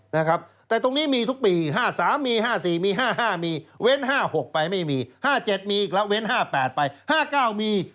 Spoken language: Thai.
นะครับแต่ตรงนี้มีทุกปี๕๓มี๕๔มี๕๕มีเว้น๕๖ไปไม่มี๕๗มีอีกแล้วเว้น๕๘ไป๕๙มี